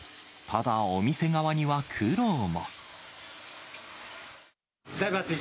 ただ、お店側には苦労も。